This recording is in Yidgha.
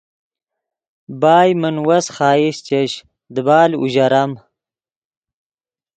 بائے من وس خواہش چش دیبال اوژرم